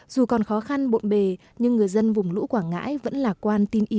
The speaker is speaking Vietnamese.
dù còn khó khăn bộn bề nhưng người dân vùng lũ quảng ngãi vẫn là quả